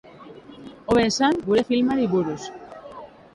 Hobe esan, gure filmari buruz!